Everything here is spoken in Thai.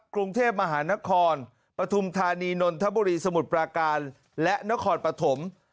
กรุงเทพมหานครปฐุมธานีนนทบุรีสมุทรปราการและนครปฐม